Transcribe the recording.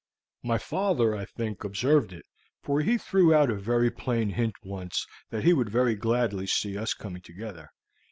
"My father, I think, observed it, for he threw out a very plain hint once that he would very gladly see us coming together.